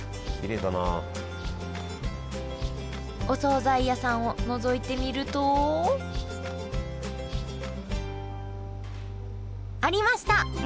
お総菜屋さんをのぞいてみると。ありました！